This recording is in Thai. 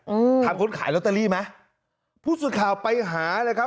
อืมถามคนขายลอตเตอรี่ไหมผู้สื่อข่าวไปหาเลยครับ